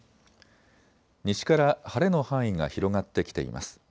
西から晴れの範囲が広がってきています。